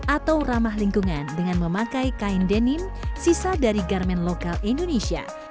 atau ramah lingkungan dengan memakai kain denim sisa dari garmen lokal indonesia